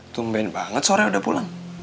tumben banget sore udah pulang